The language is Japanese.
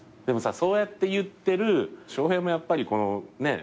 でもさそうやって言ってる翔平もやっぱり。